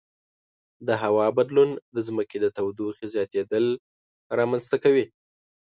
د هوا بدلون د ځمکې د تودوخې زیاتیدل رامنځته کوي.